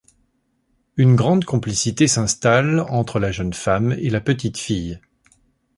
Une grande complicité s’installe entre la jeune femme et la petite fille.